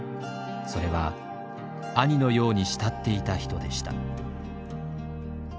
それは兄のように慕っていた人でした。